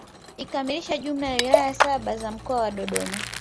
Ikikamilisha jumla ya wilaya saba za mkoa wa Dodoma